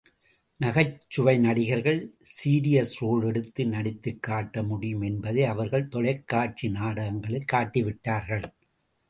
நகைச்சுவை நடிகர்கள் serious role எடுத்து நடித்துக் காட்ட முடியும் என்பதை அவர்கள் தொலைக் காட்சி நாடகங்களில் காட்டிவிட்டார்கள்.